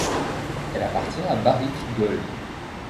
Elle appartient à Barrick Gold.